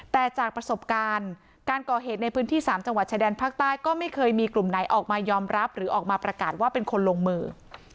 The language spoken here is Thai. แต่จากประสบการณ์การก่อเหตุในพื้นที่๓จังหวัดชายแดนภาคใต้ก็ไม่เคยมีกลุ่มไหนออกมายอมรับหรือออกมาประกาศว่าเป็นคนลงมือ